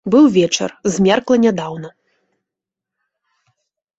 Быў вечар, змеркла нядаўна.